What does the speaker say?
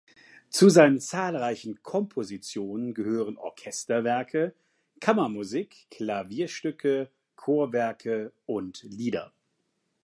Zu seinen zahlreichen Kompositionen gehören Orchesterwerke, Kammermusik, Klavierstücke, Chorwerke und Lieder.